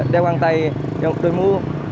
đeo quang tay tôi mũ